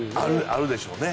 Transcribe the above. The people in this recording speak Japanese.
あるでしょうね。